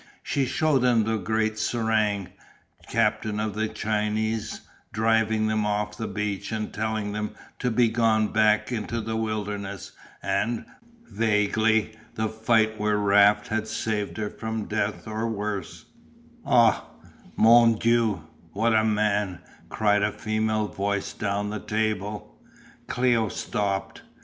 She shewed them the great serang Captain of the Chinese driving them off the beach and telling them to begone back into the wilderness, and, vaguely, the fight where Raft had saved her from death or worse "Ah, Mon Dieu, what a man," cried a female voice down the table. Cléo stopped.